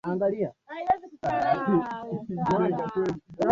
binadamu yeyote yupo kwenye hatari ya kupata ugonjwa wa ini